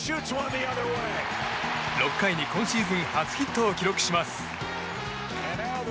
６回に今シーズン初ヒットを記録します。